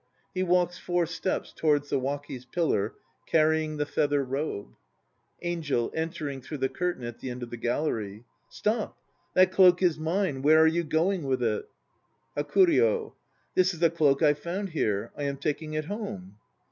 (He walks four steps towards the WakCs pillar carrying the feather robe.) ANGEL (entering through the curtain at the end of the gallery). Stop! That cloak is mine. Where are you going with it? HAKURYO. This is a cloak I found here. I am taking it home.